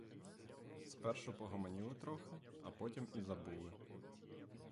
Спершу погомоніли трохи, а потім і забули.